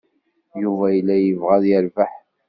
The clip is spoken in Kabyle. Yuba yella yebɣa ad yerbeḥ.